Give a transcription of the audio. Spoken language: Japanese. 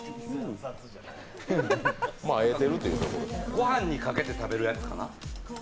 ご飯にかけて食べるやつかな？